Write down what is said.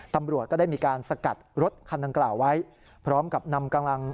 ตำรวจก็ได้มีการสกัดรถคันดังกล่าวไว้พร้อมกับนำกำลัง